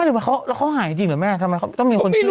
แล้วเขาหายจริงหรือไม่ทำไมต้องมีคนเชื่อละ